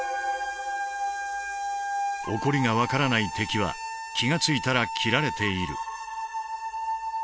「起こり」が分からない敵は気が付いたら斬られている。